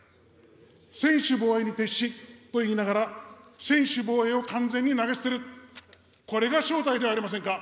専守防衛に徹しと言いながら、専守防衛を完全に投げ捨てる、これが正体ではありませんか。